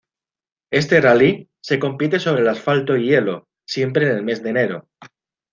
Este rally se compite sobre asfalto y hielo, siempre en el mes de enero.